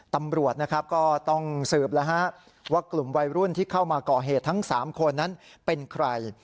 ตำรวจนะครับก็ต้องสืบแล้วฮะว่ากลุ่มวัยรุ่นที่เข้ามาก่อเหตุทั้ง๓คนนั้นเป็นใคร